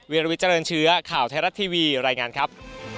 วิลวิเจริญเชื้อข่าวไทยรัฐทีวีรายงานครับ